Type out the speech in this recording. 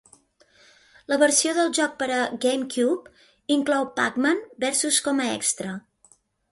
La versió del joc per a GameCube inclou Pac-Man Versus com a extra.